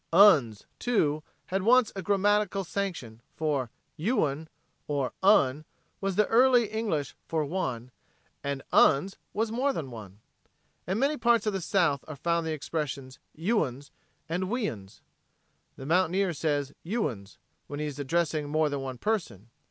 "Uns," too, had once a grammatical sanction, for "uon" or "un" was the Early English for "one," and "uns" was more than the one. In many parts of the South are found the expressions, "you uns" and "we uns." The mountaineer says "you uns" when he is addressing more than one person.